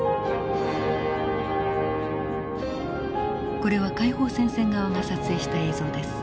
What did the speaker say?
これは解放戦線側が撮影した映像です。